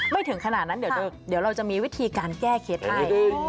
ถึงขนาดนั้นเดี๋ยวเราจะมีวิธีการแก้เคล็ดให้ด้วย